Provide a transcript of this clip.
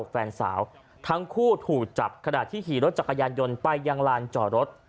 แฟนสาวทั้งคู่ถูกจับขณะที่ขี่รถจักรยานยนต์ไปยังลานจอดรถ